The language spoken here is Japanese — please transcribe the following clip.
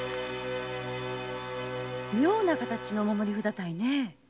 妙な形のお守り札たいね。